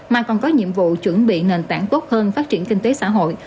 mà còn có nhiệm vụ chuẩn bị nền tảng tốt hơn phát triển kinh tế xã hội